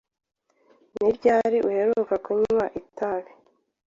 Ni ryari uheruka kunywa itabi?